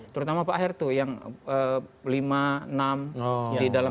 terutama pak hertu yang lima enam di dalam